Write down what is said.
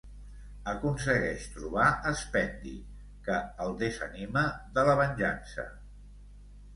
Aconsegueix trobar Spendi, que el desanima de la venjança.